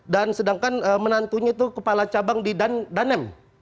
dan sedangkan menantunya itu kepala cabang di danem